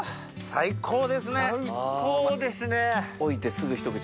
最高ですね！